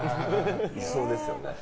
いそうですよね。